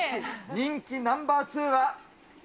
人気ナンバー２は。